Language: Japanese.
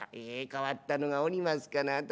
「ええ変わったのがおりますかな。